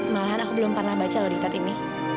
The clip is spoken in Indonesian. malahan aku belum pernah baca loh diktat ini